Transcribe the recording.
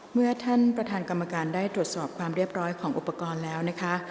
เมื่อท่านประธานกรรมการได้ตรวจสอบความเรียบร้อยของอุปกรณ์แล้วนะคะ